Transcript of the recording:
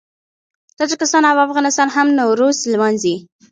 تاجکستان او افغانستان هم نوروز لمانځي.